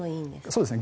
そうですね。